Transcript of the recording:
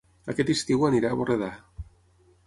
Aquest estiu aniré a Borredà